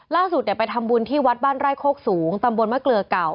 ล่าสุดไปทำบุญที่วัดบ้านไร่โคกสูงตำบลมะเกลือเก่า